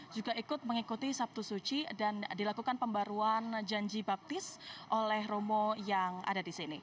juga ikut mengikuti sabtu suci dan dilakukan pembaruan janji baptis oleh romo yang ada di sini